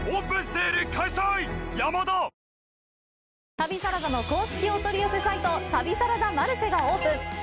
旅サラダの公式お取り寄せサイト、「旅サラダマルシェ」がオープン！